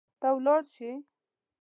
ته ولاړ شي